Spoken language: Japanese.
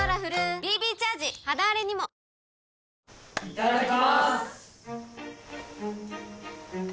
いただきます！